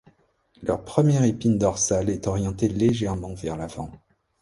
Leur première épine dorsale est orientée légèrement vers l'avant.